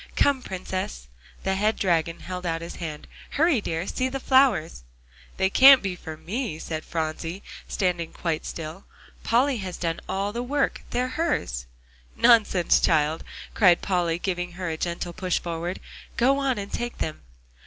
"Come, Princess." The head dragon held out his hand. "Hurry dear! See the flowers!" "They can't be for me," said Phronsie, standing quite still; "Polly has done all the work; they're hers." "Nonsense, child!" cried Polly, giving her a gentle push forward. "Go on, and take them."